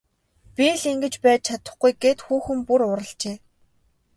Би л ингэж байж чадахгүй гээд хүүхэн бүр уурлажээ.